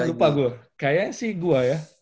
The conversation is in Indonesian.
gak lupa gue kayaknya sih gue ya